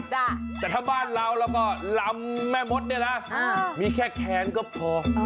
แต่ถ้าบ้านเราแล้วก็ลำแม่มดเนี่ยนะมีแค่แคนก็พอ